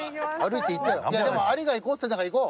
いやでもアリが行こうっつってんだから行こう。